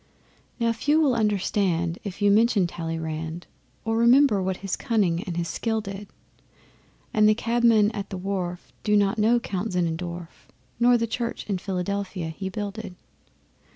Now few will understand if you mention Talleyrand, Or remember what his cunning and his skill did. And the cabmen at the wharf do not know Count Zinnendorf, Nor the Church in Philadelphia he builded.